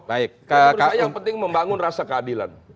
menurut saya yang penting membangun rasa keadilan